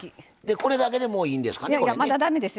これだけでもいいんですか。